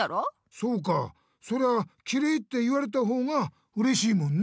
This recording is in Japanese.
そうかそりゃきれいって言われたほうがうれしいもんね。